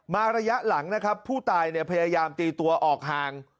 ระยะหลังนะครับผู้ตายพยายามตีตัวออกห่าง